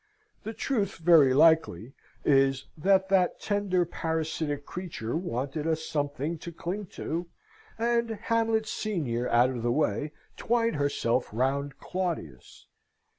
The truth, very likely, is, that that tender, parasitic creature wanted a something to cling to, and, Hamlet senior out of the way, twined herself round Claudius.